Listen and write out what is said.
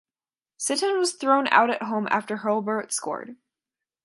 Sitton was thrown out at home after Hurlburt scored.